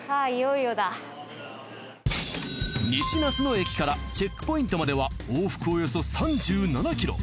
西那須野駅からチェックポイントまでは往復およそ３７ｋｍ。